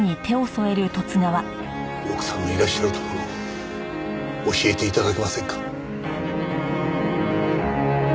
奥さんのいらっしゃるところを教えて頂けませんか？